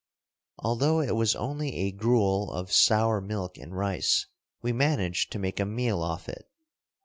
Although it was only a gruel of sour milk and rice, we managed to make a meal off it.